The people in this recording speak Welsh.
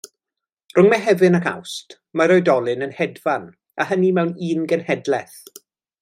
Rhwng Mehefin ac Awst mae'r oedolyn yn hedfan, a hynny mewn un genhedlaeth.